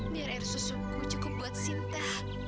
biar air susuku cukup buat sinta